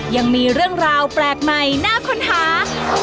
ยังมีเรื่องราวแปลกใหม่น่าค้นหา